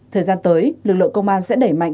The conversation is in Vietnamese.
thời gian tới lực lượng công an sẽ đẩy mạnh